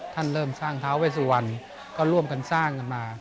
เริ่มสร้างท้าเวสุวรรณก็ร่วมกันสร้างกันมา